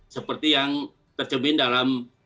seperti yang terjemahin dalam